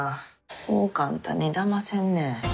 そう簡単にだませんね。